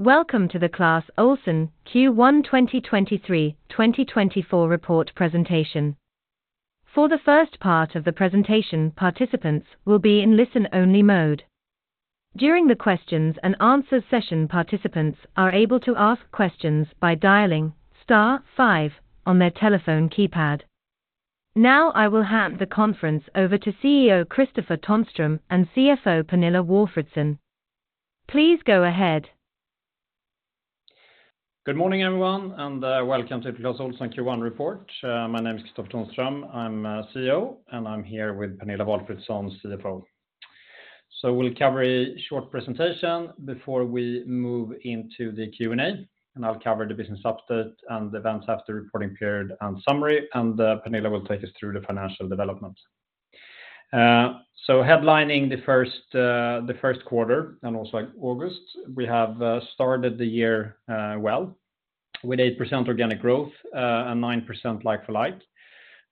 Welcome to the Clas Ohlson Q1 2023/2024 report presentation. For the first part of the presentation, participants will be in listen-only mode. During the questions and answers session, participants are able to ask questions by dialing star five on their telephone keypad. Now, I will hand the conference over to CEO, Kristofer Tonström, and CFO, Pernilla Walfridsson. Please go ahead. Good morning, everyone, and welcome to Clas Ohlson Q1 report. My name is Kristofer Tonström, I'm CEO, and I'm here with Pernilla Walfridsson, CFO. So we'll cover a short presentation before we move into the Q&A, and I'll cover the business update and events after reporting period and summary, and Pernilla will take us through the financial development. So headlining the first quarter and also August, we have started the year well with 8% organic growth and 9% like-for-like.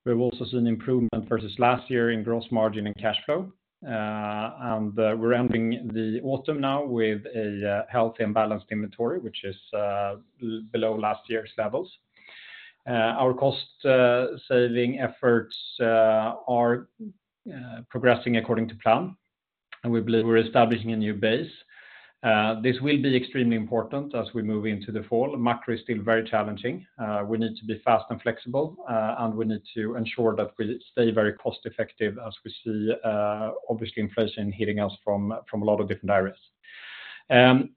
We've also seen improvement versus last year in gross margin and cash flow. We're ending the autumn now with a healthy and balanced inventory, which is below last year's levels. Our cost saving efforts are progressing according to plan, and we believe we're establishing a new base. This will be extremely important as we move into the fall. Macro is still very challenging. We need to be fast and flexible, and we need to ensure that we stay very cost-effective as we see, obviously, inflation hitting us from a lot of different areas.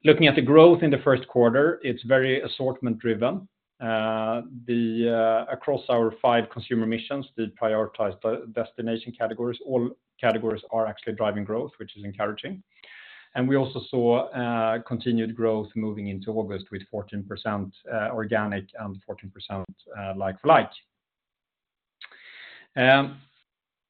Looking at the growth in the first quarter, it's very assortment driven. Across our five consumer missions, the prioritized destination categories, all categories are actually driving growth, which is encouraging. And we also saw continued growth moving into August with 14% organic and 14% like-for-like.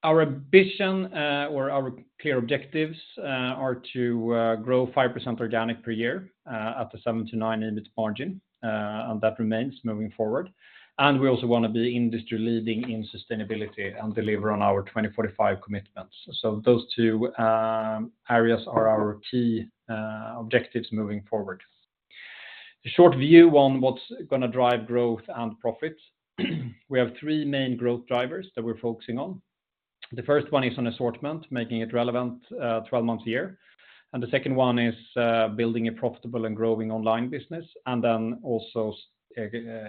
Our ambition or our clear objectives are to grow 5% organic per year at a 7-9% EBIT margin, and that remains moving forward. We also wanna be industry-leading in sustainability and deliver on our 2045 commitments. So those two areas are our key objectives moving forward. The short view on what's gonna drive growth and profit, we have three main growth drivers that we're focusing on. The first one is on assortment, making it relevant 12 months a year, and the second one is building a profitable and growing online business, and then also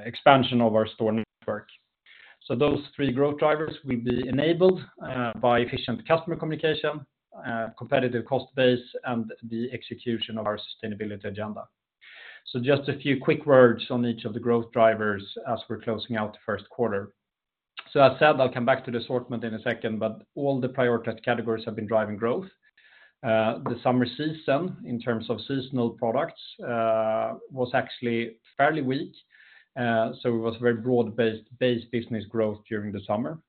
expansion of our store network. So those three growth drivers will be enabled by efficient customer communication, competitive cost base, and the execution of our sustainability agenda. So just a few quick words on each of the growth drivers as we're closing out the first quarter. So as said, I'll come back to the assortment in a second, but all the prioritized categories have been driving growth. The summer season, in terms of seasonal products, was actually fairly weak, so it was very broad-based, base business growth during the summer.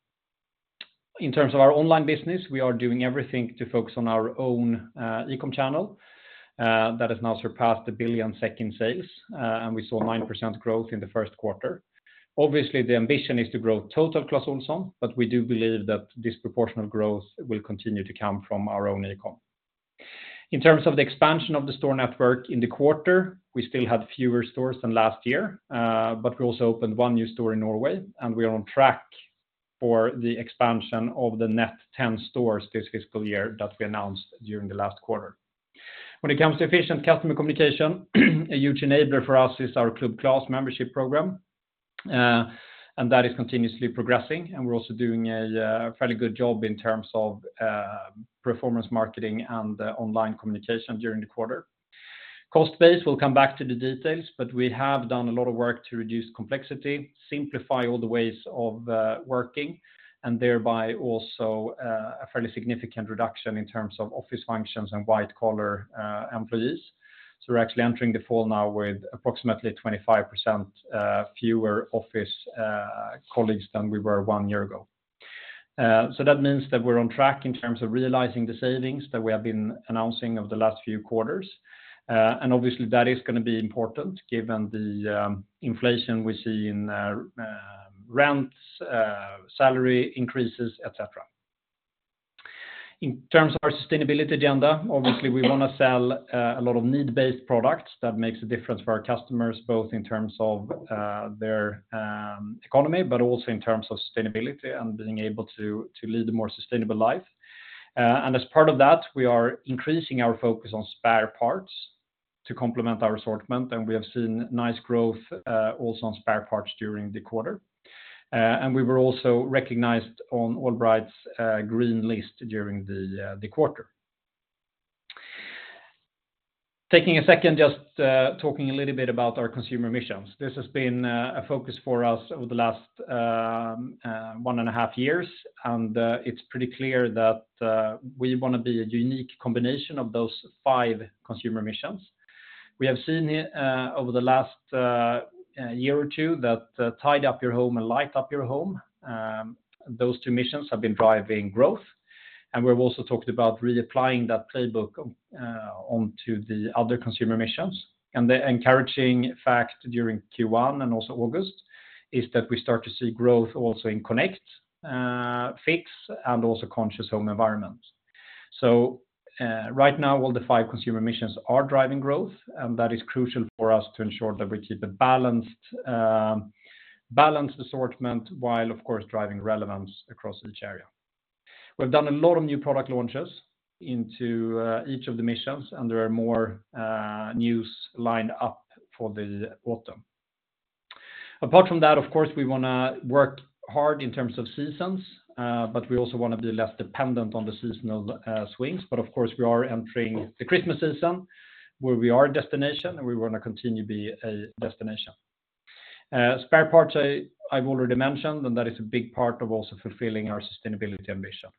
In terms of our online business, we are doing everything to focus on our own, e-com channel. That has now surpassed 1 billion in sales, and we saw 9% growth in the first quarter. Obviously, the ambition is to grow total Clas Ohlson, but we do believe that this proportional growth will continue to come from our own e-com. In terms of the expansion of the store network in the quarter, we still had fewer stores than last year, but we also opened one new store in Norway, and we are on track for the expansion of the net 10 stores this fiscal year that we announced during the last quarter. When it comes to efficient customer communication, a huge enabler for us is our Club Clas membership program, and that is continuously progressing, and we're also doing a fairly good job in terms of performance marketing and online communication during the quarter. Cost base, we'll come back to the details, but we have done a lot of work to reduce complexity, simplify all the ways of working, and thereby also a fairly significant reduction in terms of office functions and white collar employees. So we're actually entering the fall now with approximately 25% fewer office colleagues than we were one year ago. So that means that we're on track in terms of realizing the savings that we have been announcing over the last few quarters. Obviously, that is gonna be important given the inflation we see in rents, salary increases, et cetera. In terms of our sustainability agenda, obviously, we wanna sell a lot of need-based products that makes a difference for our customers, both in terms of their economy, but also in terms of sustainability and being able to lead a more sustainable life. And as part of that, we are increasing our focus on spare parts to complement our assortment, and we have seen nice growth also on spare parts during the quarter. And we were also recognized on Allbright's Green List during the quarter. Taking a second, just talking a little bit about our consumer missions. This has been a focus for us over the last one and a half years, and it's pretty clear that we wanna be a unique combination of those five consumer missions. We have seen here over the last year or two that Tidy Up Your Home and Light Up Your Home, those two missions have been driving growth, and we've also talked about reapplying that playbook onto the other consumer missions. The encouraging fact during Q1 and also August is that we start to see growth also in Connect, Fix, and also Conscious Home Environment. So right now, all the five consumer missions are driving growth, and that is crucial for us to ensure that we keep a balanced assortment while, of course, driving relevance across each area. We've done a lot of new product launches into each of the missions, and there are more news lined up for the autumn. Apart from that, of course, we wanna work hard in terms of seasons, but we also want to be less dependent on the seasonal swings. But of course, we are entering the Christmas season, where we are a destination, and we want to continue to be a destination. Spare parts, I've already mentioned, and that is a big part of also fulfilling our sustainability ambition.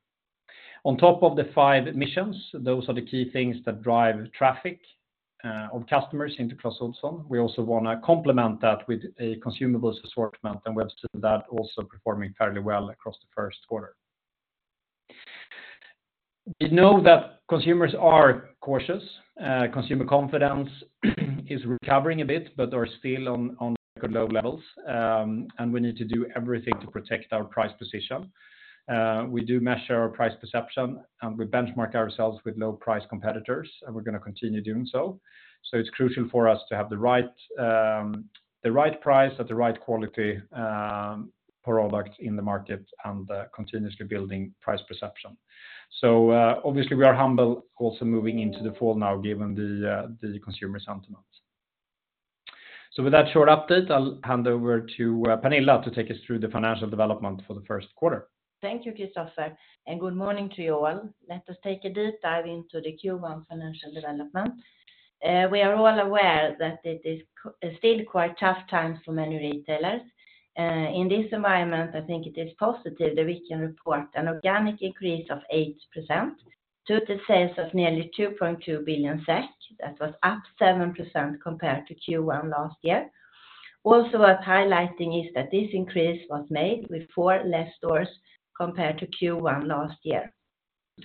On top of the five missions, those are the key things that drive traffic of customers into Clas Ohlson. We also want to complement that with a consumables assortment, and we have seen that also performing fairly well across the first quarter. We know that consumers are cautious. Consumer confidence is recovering a bit, but are still on low levels, and we need to do everything to protect our price position. We do measure our price perception, and we benchmark ourselves with low price competitors, and we're going to continue doing so. So it's crucial for us to have the right, the right price at the right quality, for products in the market and, continuously building price perception. So, obviously, we are humble, also moving into the fall now, given the, the consumer sentiment. So with that short update, I'll hand over to Pernilla to take us through the financial development for the first quarter. Thank you, Kristofer, and good morning to you all. Let us take a deep dive into the Q1 financial development. We are all aware that it is still quite tough times for many retailers. In this environment, I think it is positive that we can report an organic increase of 8% to the sales of nearly 2.2 billion SEK. That was up 7% compared to Q1 last year. Also, worth highlighting is that this increase was made with four less stores compared to Q1 last year,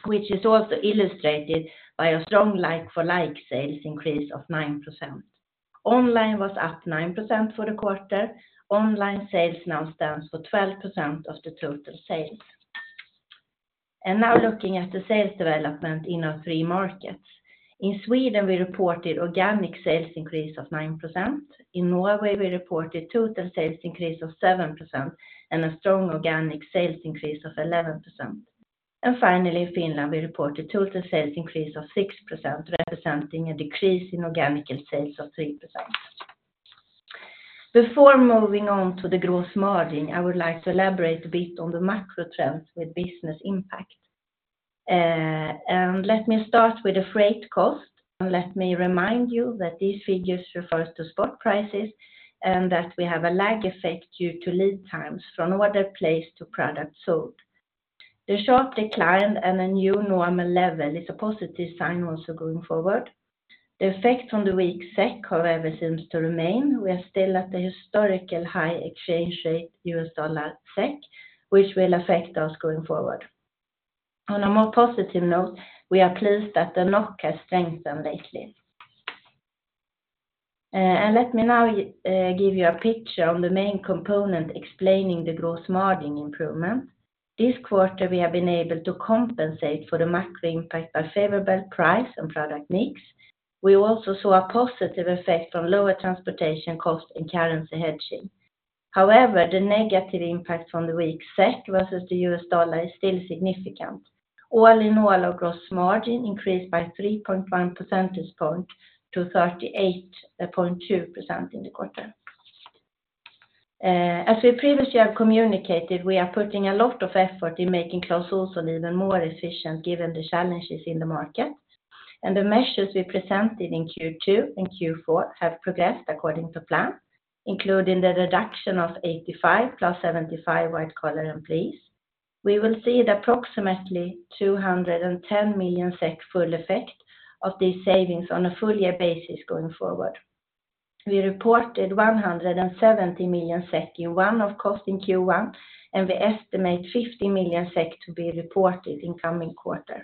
which is also illustrated by a strong like-for-like sales increase of 9%. Online was up 9% for the quarter. Online sales now stands for 12% of the total sales. Now looking at the sales development in our three markets. In Sweden, we reported organic sales increase of 9%. In Norway, we reported total sales increase of 7% and a strong organic sales increase of 11%. And finally, in Finland, we reported total sales increase of 6%, representing a decrease in organic sales of 3%. Before moving on to the gross margin, I would like to elaborate a bit on the macro trends with business impact. And let me start with the freight cost, and let me remind you that these figures refers to spot prices and that we have a lag effect due to lead times from order placed to product sold. The sharp decline and a new normal level is a positive sign also going forward. The effect on the weak SEK, however, seems to remain. We are still at the historical high exchange rate, US dollar/SEK, which will affect us going forward. On a more positive note, we are pleased that the NOK has strengthened lately. Let me now give you a picture on the main component explaining the gross margin improvement. This quarter, we have been able to compensate for the macro impact by favorable price and product mix. We also saw a positive effect from lower transportation cost and currency hedging. However, the negative impact from the weak SEK versus the US dollar is still significant. All in all, our gross margin increased by 3.1 percentage point to 38.2% in the quarter. As we previously have communicated, we are putting a lot of effort in making Clas Ohlson even more efficient, given the challenges in the market. The measures we presented in Q2 and Q4 have progressed according to plan, including the reduction of 85 + 75 white collar employees. We will see the approximately 210 million SEK full effect of these savings on a full year basis going forward. We reported 170 million SEK in one-off cost in Q1, and we estimate 50 million SEK to be reported in coming quarter.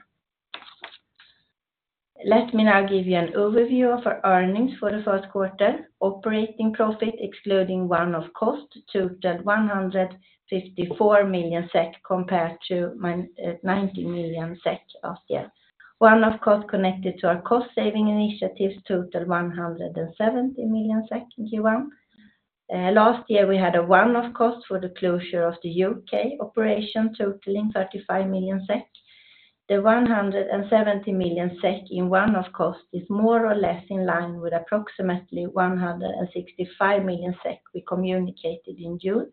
Let me now give you an overview of our earnings for the first quarter. Operating profit, excluding one-off cost, totaled 154 million SEK, compared to 90 million SEK last year. One-off cost connected to our cost-saving initiatives totaled 170 million SEK in Q1. Last year, we had a one-off cost for the closure of the U.K. operation, totaling 35 million SEK. The 170 million SEK in one-off cost is more or less in line with approximately 165 million SEK we communicated in June.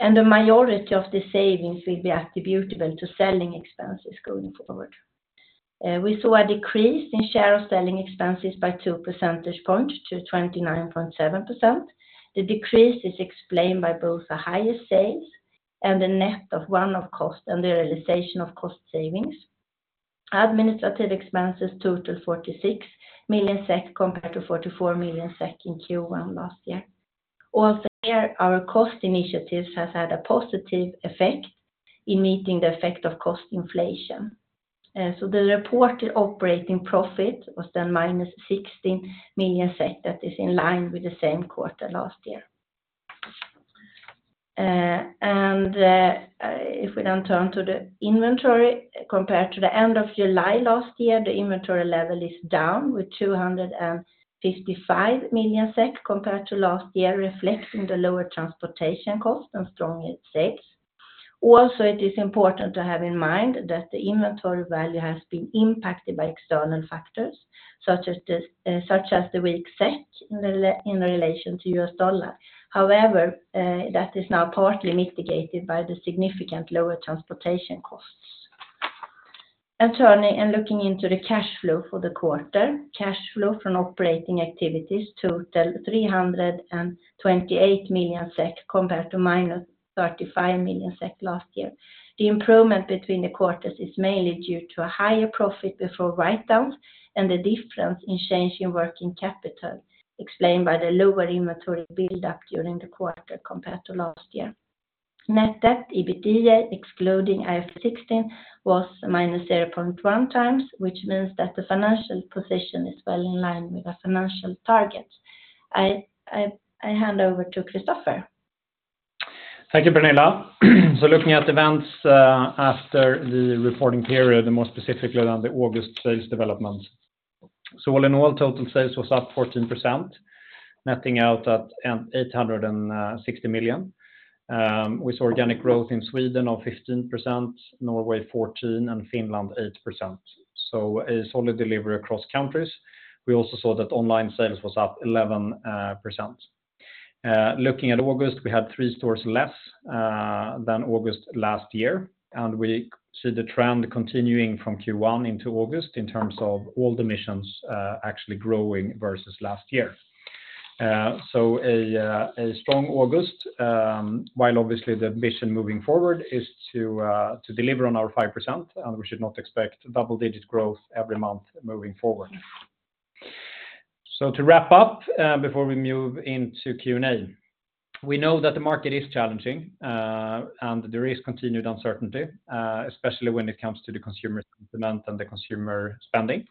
The majority of the savings will be attributable to selling expenses going forward. We saw a decrease in share of selling expenses by two percentage points to 29.7%. The decrease is explained by both the highest sales and the net of one-off cost and the realization of cost savings. Administrative expenses totaled 46 million SEK, compared to 44 million SEK in Q1 last year. Also, here, our cost initiatives has had a positive effect in meeting the effect of cost inflation. So the reported operating profit was then -16 million. That is in line with the same quarter last year. And if we then turn to the inventory compared to the end of July last year, the inventory level is down with 255 million SEK, compared to last year, reflecting the lower transportation cost and strong sales. Also, it is important to have in mind that the inventory value has been impacted by external factors, such as the weak SEK in relation to the US dollar. However, that is now partly mitigated by the significant lower transportation costs. And turning and looking into the cash flow for the quarter, cash flow from operating activities totaled 328 million SEK, compared to -35 million SEK last year. The improvement between the quarters is mainly due to a higher profit before write downs and the difference in change in working capital, explained by the lower inventory build up during the quarter compared to last year. Net debt, EBITDA, excluding IFRS 16, was -0.1 times, which means that the financial position is well in line with our financial target. I hand over to Kristofer. Thank you, Pernilla. So looking at events after the reporting period, and more specifically on the August sales development. So all in all, total sales was up 14%, netting out at 860 million. We saw organic growth in Sweden of 15%, Norway 14%, and Finland 8%. So a solid delivery across countries. We also saw that online sales was up 11%. Looking at August, we had three stores less than August last year, and we see the trend continuing from Q1 into August in terms of all the missions actually growing versus last year. So a strong August, while obviously the mission moving forward is to deliver on our 5%, and we should not expect double-digit growth every month moving forward. So to wrap up, before we move into Q&A, we know that the market is challenging, and there is continued uncertainty, especially when it comes to the consumer demand and the consumer spending.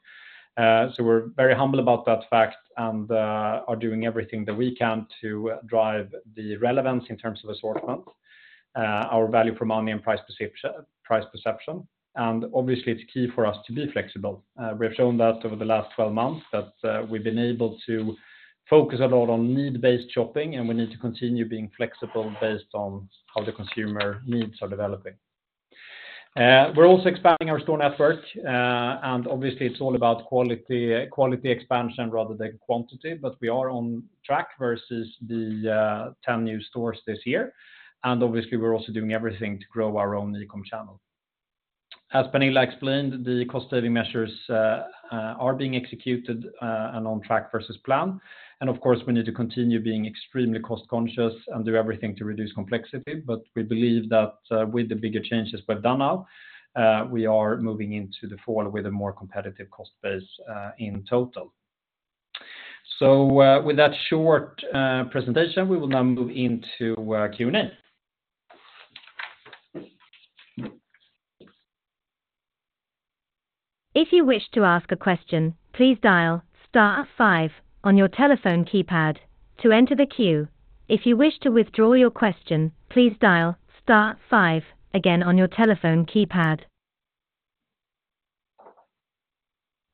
So we're very humble about that fact and are doing everything that we can to drive the relevance in terms of assortment, our value for money and price perception, and obviously, it's key for us to be flexible. We've shown that over the last 12 months, that we've been able to focus a lot on need-based shopping, and we need to continue being flexible based on how the consumer needs are developing. We're also expanding our store network, and obviously, it's all about quality, quality expansion rather than quantity, but we are on track versus the 10 new stores this year. And obviously, we're also doing everything to grow our own e-com channel. As Pernilla explained, the cost-saving measures are being executed and on track versus plan. Of course, we need to continue being extremely cost-conscious and do everything to reduce complexity, but we believe that with the bigger changes we've done now, we are moving into the fall with a more competitive cost base in total. With that short presentation, we will now move into Q&A. If you wish to ask a question, please dial star five on your telephone keypad to enter the queue. If you wish to withdraw your question, please dial star five again on your telephone keypad.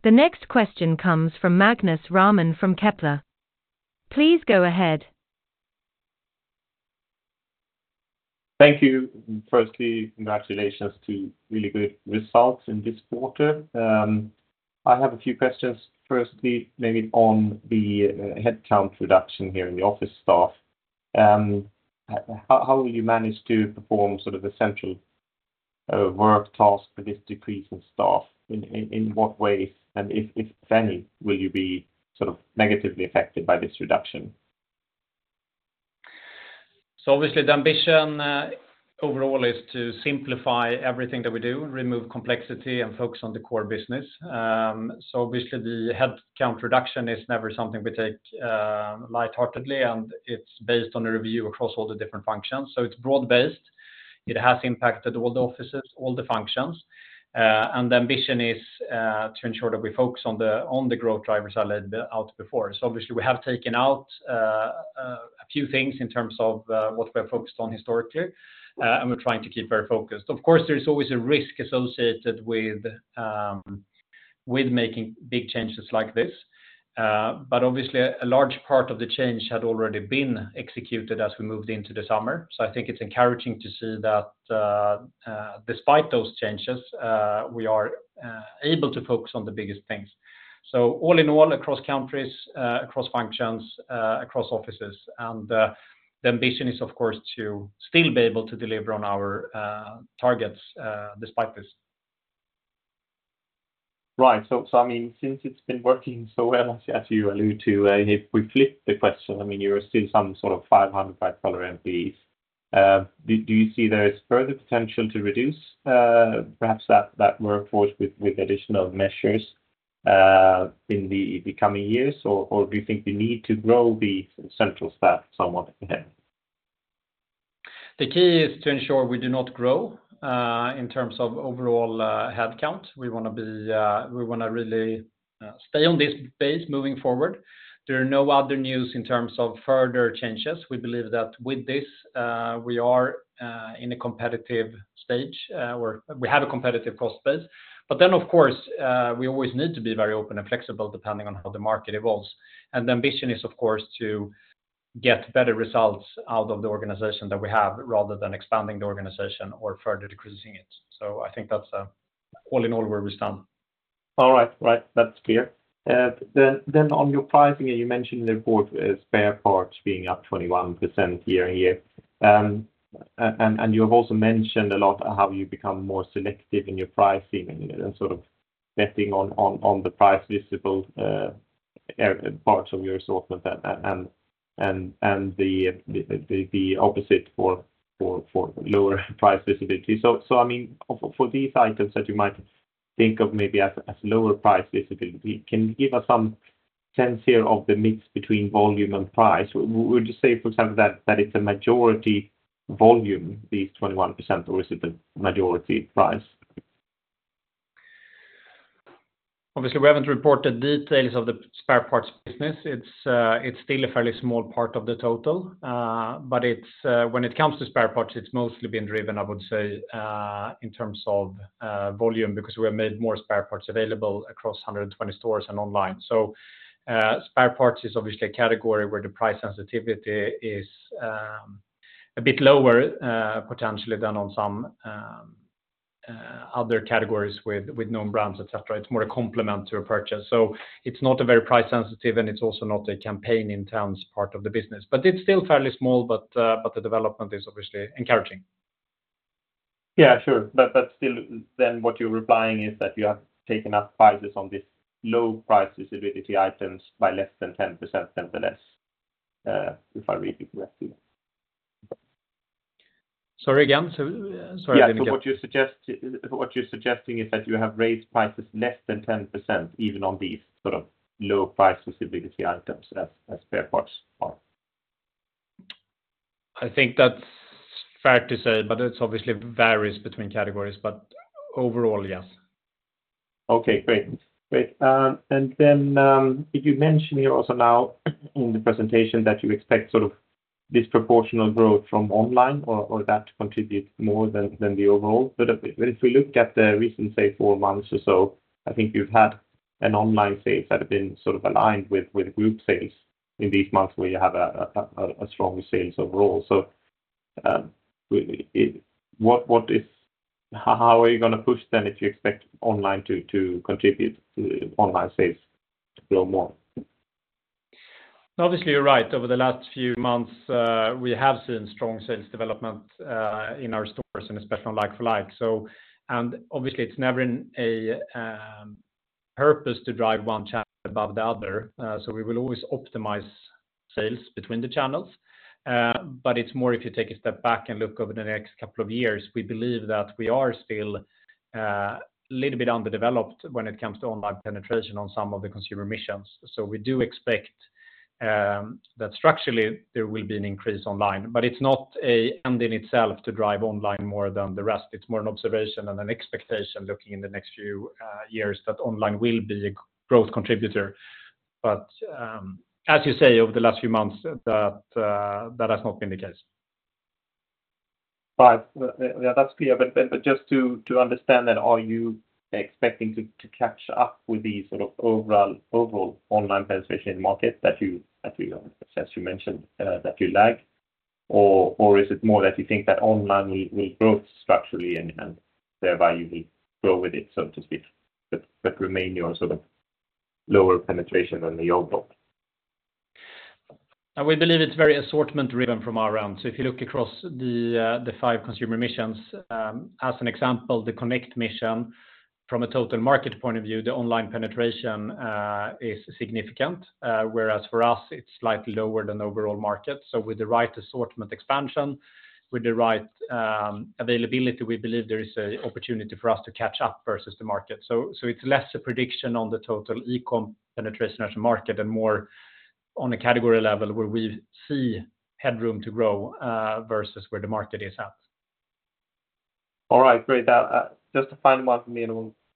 The next question comes from Magnus Råman from Kepler. Please go ahead. Thank you. Firstly, congratulations to really good results in this quarter. I have a few questions. Firstly, maybe on the headcount reduction here in the office staff. How will you manage to perform sort of essential work tasks with this decrease in staff? In what ways, and if any, will you be sort of negatively affected by this reduction? So obviously, the ambition overall is to simplify everything that we do, remove complexity, and focus on the core business. So obviously, the headcount reduction is never something we take lightheartedly, and it's based on a review across all the different functions. So it's broad-based. It has impacted all the offices, all the functions, and the ambition is to ensure that we focus on the growth drivers I laid out before. So obviously, we have taken out a few things in terms of what we're focused on historically, and we're trying to keep very focused. Of course, there is always a risk associated with making big changes like this, but obviously, a large part of the change had already been executed as we moved into the summer. So I think it's encouraging to see that, despite those changes, we are able to focus on the biggest things. So all in all, across countries, across functions, across offices, and the ambition is, of course, to still be able to deliver on our targets, despite this. Right. So, I mean, since it's been working so well, as you allude to, if we flip the question, I mean, you are still some sort of 500, 5,000 employees. Do you see there is further potential to reduce, perhaps that workforce with additional measures, in the coming years? Or do you think you need to grow the central staff somewhat again? The key is to ensure we do not grow in terms of overall headcount. We wanna be, we wanna really stay on this base moving forward. There are no other news in terms of further changes. We believe that with this, we are in a competitive stage where we have a competitive cost base. But then, of course, we always need to be very open and flexible, depending on how the market evolves. And the ambition is, of course, to get better results out of the organization that we have, rather than expanding the organization or further decreasing it. So I think that's all in all where we stand. All right. Right, that's clear. Then on your pricing, you mentioned the report, spare parts being up 21% year and year. And you have also mentioned a lot how you become more selective in your pricing and sort of betting on the price visible parts of your assortment and the opposite for lower price visibility. So I mean, for these items that you might think of maybe as lower price visibility, can you give us some sense here of the mix between volume and price? Would you say, for example, that it's a majority volume, these 21%, or is it the majority price? Obviously, we haven't reported details of the spare parts business. It's still a fairly small part of the total, but it's when it comes to spare parts, it's mostly been driven, I would say, in terms of volume, because we have made more spare parts available across 120 stores and online. So, spare parts is obviously a category where the price sensitivity is a bit lower, potentially than on some other categories with known brands, et cetera. It's more a complement to a purchase, so it's not a very price sensitive, and it's also not a campaign in terms part of the business, but it's still fairly small, but the development is obviously encouraging. Yeah, sure. But, still, then what you're replying is that you have taken up prices on this low price visibility items by less than 10%, nonetheless, if I read it correctly? Sorry, again? Sorry, again. Yeah, so what you're suggesting is that you have raised prices less than 10%, even on these sort of low price visibility items as spare parts are. I think that's fair to say, but it obviously varies between categories, but overall, yes. Okay, great. Great, and then, if you mention here also now in the presentation that you expect sort of disproportional growth from online or that to contribute more than the overall. But if we look at the recent, say, four months or so, I think you've had an online sales that have been sort of aligned with group sales in these months where you have strong sales overall. So, how are you gonna push then if you expect online to contribute to online sales to grow more? Obviously, you're right. Over the last few months, we have seen strong sales development in our stores and especially on like-for-like. So, and obviously, it's never in a purpose to drive one channel above the other, so we will always optimize sales between the channels. But it's more if you take a step back and look over the next couple of years, we believe that we are still a little bit underdeveloped when it comes to online penetration on some of the consumer missions. So we do expect that structurally, there will be an increase online, but it's not an end in itself to drive online more than the rest. It's more an observation and an expectation, looking in the next few years, that online will be a growth contributor. But, as you say, over the last few months, that, that has not been the case. Right. Yeah, that's clear. But just to understand then, are you expecting to catch up with the sort of overall online penetration market that you, as you mentioned, that you lag? Or is it more that you think that online will grow structurally and thereby you will grow with it, so to speak, but remain your sort of lower penetration than the overall? We believe it's very assortment driven from our end. So if you look across the, the five consumer missions, as an example, the connect mission from a total market point of view, the online penetration is significant, whereas for us, it's slightly lower than the overall market. So with the right assortment expansion, with the right, availability, we believe there is a opportunity for us to catch up versus the market. So, so it's less a prediction on the total e-com penetration as a market and more on a category level where we see headroom to grow, versus where the market is at. All right, great. Just a final one for me,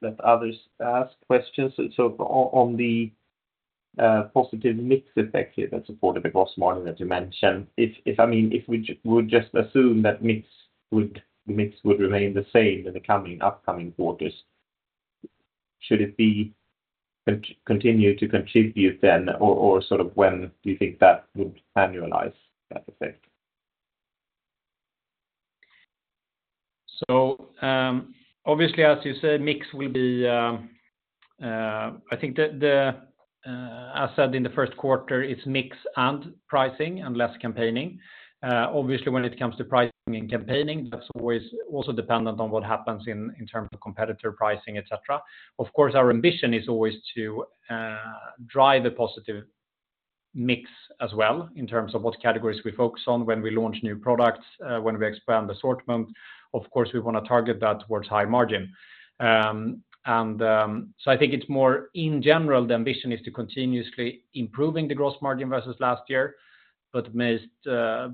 and we'll let others ask questions. So on the positive mix effect here that supported the gross margin, as you mentioned, I mean, if we would just assume that mix would remain the same in the coming, upcoming quarters, should it continue to contribute then, or sort of when do you think that would annualize that effect? So, obviously, as you said, mix will be. I think as said in the first quarter, it's mix and pricing and less campaigning. Obviously, when it comes to pricing and campaigning, that's always also dependent on what happens in terms of competitor pricing, et cetera. Of course, our ambition is always to drive a positive mix as well in terms of what categories we focus on when we launch new products, when we expand assortment, of course, we wanna target that towards high margin. So I think it's more in general, the ambition is to continuously improving the gross margin versus last year, but most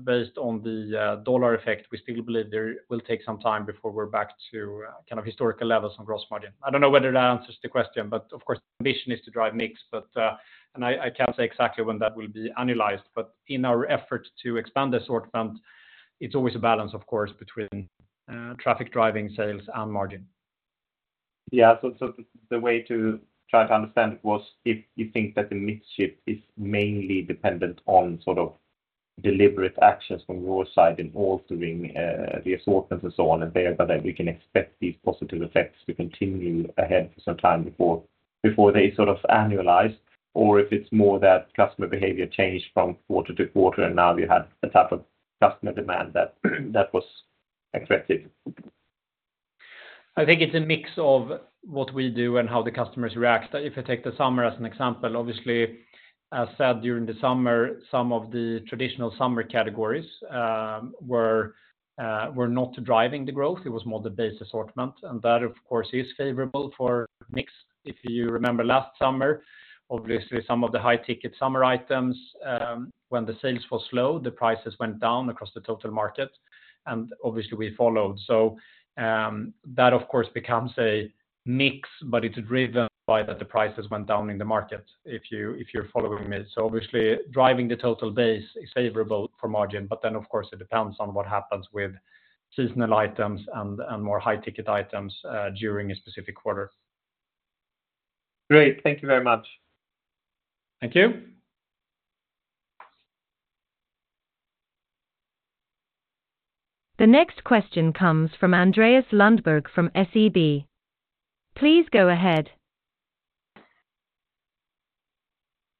based on the dollar effect, we still believe there will take some time before we're back to kind of historical levels on gross margin. I don't know whether that answers the question, but of course, the ambition is to drive mix, but and I can't say exactly when that will be annualized, but in our effort to expand the assortment, it's always a balance, of course, between traffic driving sales, and margin. Yeah, so the way to try to understand it was if you think that the mix shift is mainly dependent on sort of deliberate actions from your side in altering, the assortments and so on, and thereby that we can expect these positive effects to continue ahead for some time before they sort of annualize, or if it's more that customer behavior changed from quarter to quarter, and now you have the type of customer demand that was expected? I think it's a mix of what we do and how the customers react. If I take the summer as an example, obviously, as said, during the summer, some of the traditional summer categories were not driving the growth. It was more the base assortment, and that, of course, is favorable for mix. If you remember last summer, obviously, some of the high-ticket summer items, when the sales were slow, the prices went down across the total market, and obviously, we followed. So, that, of course, becomes a mix, but it's driven by that the prices went down in the market, if you're following me. So obviously, driving the total base is favorable for margin, but then, of course, it depends on what happens with seasonal items and more high-ticket items during a specific quarter. Great. Thank you very much. Thank you. The next question comes from Andreas Lundberg from SEB. Please go ahead.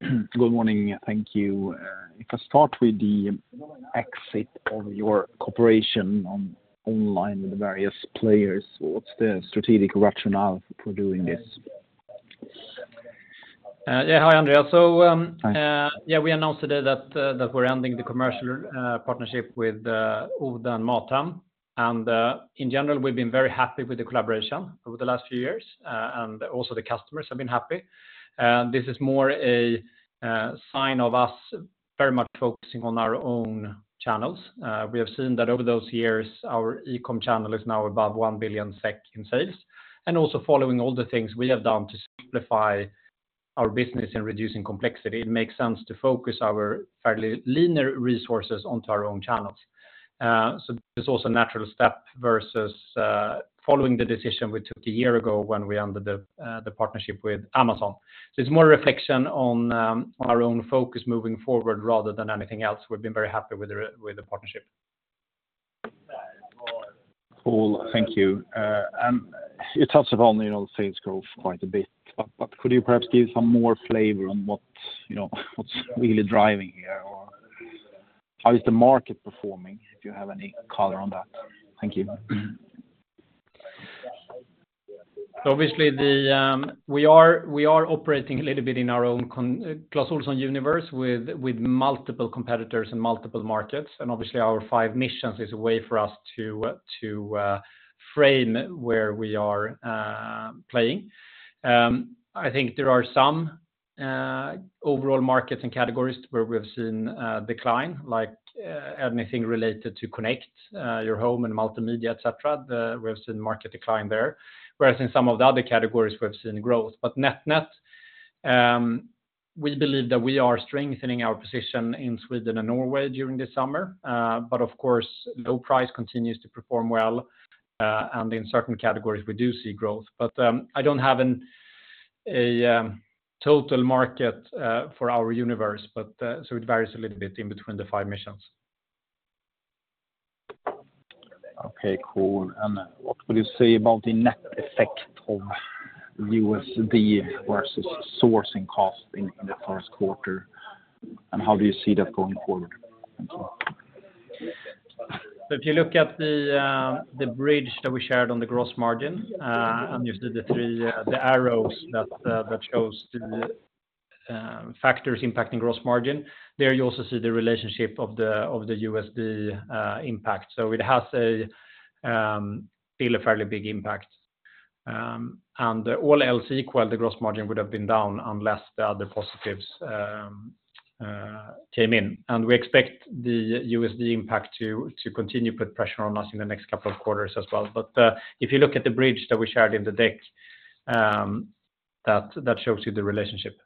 Good morning, and thank you. If I start with the exit of your cooperation on online with the various players, what's the strategic rationale for doing this? Yeah, hi, Andreas. So. Hi. Yeah, we announced today that we're ending the commercial partnership with Oda and Mathem, and in general, we've been very happy with the collaboration over the last few years, and also the customers have been happy. This is more a sign of us very much focusing on our own channels. We have seen that over those years, our e-com channel is now above 1 billion SEK in sales, and also following all the things we have done to simplify our business in reducing complexity, it makes sense to focus our fairly linear resources onto our own channels. So it's also a natural step versus following the decision we took a year ago when we ended the partnership with Amazon. So it's more a reflection on our own focus moving forward rather than anything else. We've been very happy with the partnership. Cool. Thank you. And you touched upon, you know, sales growth quite a bit, but, but could you perhaps give some more flavor on what, you know, what's really driving here, or how is the market performing, if you have any color on that? Thank you. Obviously, we are operating a little bit in our own Clas Ohlson universe with multiple competitors in multiple markets, and obviously, our five missions is a way for us to, to, frame where we are playing. I think there are some overall markets and categories where we've seen decline, like, anything related to connect your home and multimedia, et cetera. We have seen market decline there, whereas in some of the other categories, we've seen growth. But net-net, we believe that we are strengthening our position in Sweden and Norway during the summer. But of course, low price continues to perform well, and in certain categories, we do see growth. But I don't have a total market for our universe, but so it varies a little bit in between the five missions. Okay, cool. And what would you say about the net effect of USD versus sourcing cost in the first quarter, and how do you see that going forward? So if you look at the bridge that we shared on the gross margin, and you see the three arrows that shows the factors impacting gross margin, there you also see the relationship of the USD impact. So it has a still a fairly big impact, and all else equal, the gross margin would have been down unless the other positives came in. And we expect the USD impact to continue to put pressure on us in the next couple of quarters as well. But if you look at the bridge that we shared in the deck, that shows you the relationship.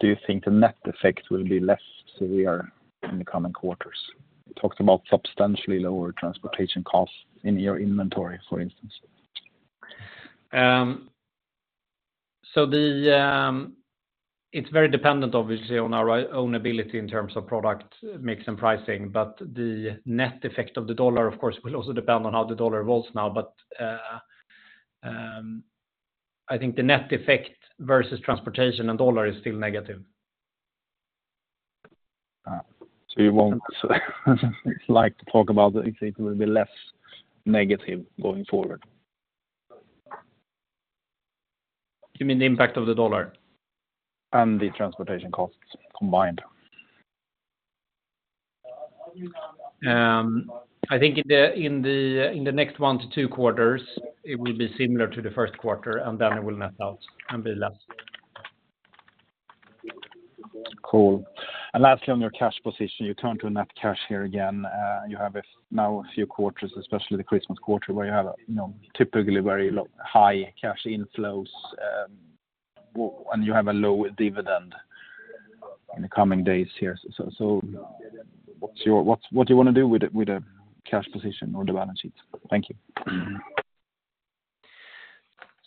Do you think the net effect will be less severe in the coming quarters? You talked about substantially lower transportation costs in your inventory, for instance. It's very dependent, obviously, on our own ability in terms of product, mix, and pricing, but the net effect of the dollar, of course, will also depend on how the dollar evolves now. But I think the net effect versus transportation and dollar is still negative. So you won't like to talk about it, if it will be less negative going forward? You mean the impact of the US dollar? The transportation costs combined. I think in the next 1-2 quarters, it will be similar to the first quarter, and then it will net out and be less. Cool. Lastly, on your cash position, you turn to net cash here again. You have now a few quarters, especially the Christmas quarter, where you have, you know, typically very low, high cash inflows, and you have a low dividend in the coming days here. So, what do you wanna do with the cash position or the balance sheet? Thank you.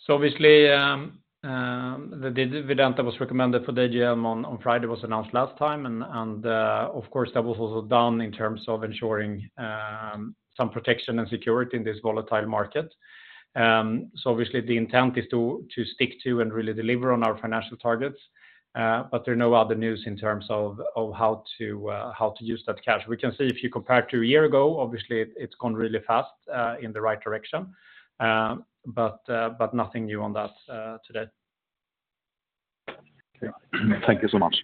So obviously, the dividend that was recommended for the AGM on Friday was announced last time, and of course, that was also done in terms of ensuring some protection and security in this volatile market. So obviously the intent is to stick to and really deliver on our financial targets. But there are no other news in terms of how to use that cash. We can see if you compare it to a year ago, obviously it's gone really fast in the right direction. But nothing new on that today. Okay. Thank you so much.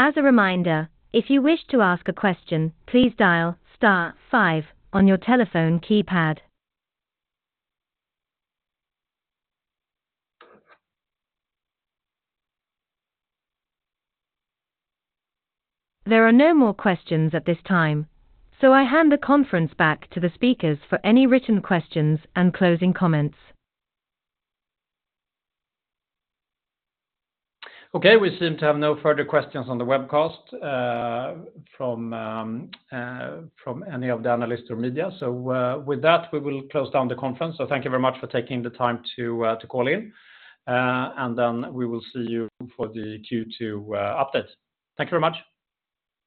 As a reminder, if you wish to ask a question, please dial star five on your telephone keypad. There are no more questions at this time, so I hand the conference back to the speakers for any written questions and closing comments. Okay. We seem to have no further questions on the webcast from any of the analysts or media. So, with that, we will close down the conference. So thank you very much for taking the time to call in, and then we will see you for the Q2 update. Thank you very much!